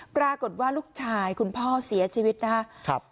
ปรากฏว่าลูกชายคุณพ่อเสียชีวิตนะครับ